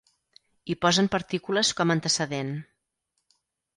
Hi posen partícules com a antecedent.